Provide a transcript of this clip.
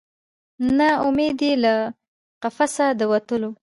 نه امید یې له قفسه د وتلو